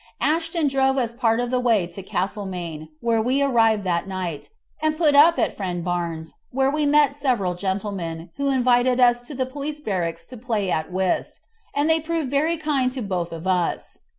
Ashton drove us part of the way to Castlemaine, where we arrived that night, and put up at friend Barnes', where we met several gentlemen, who invited us to the police barracks to play at whist, and they proved very kind to both of us.